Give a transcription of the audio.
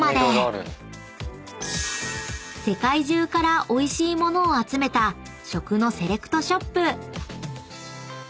［世界中からおいしい物を集めた食のセレクトショップ］